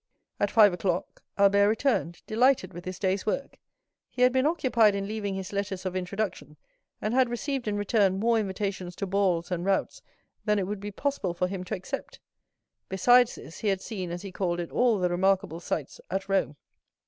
At five o'clock Albert returned, delighted with his day's work; he had been occupied in leaving his letters of introduction, and had received in return more invitations to balls and routs than it would be possible for him to accept; besides this, he had seen (as he called it) all the remarkable sights at Rome.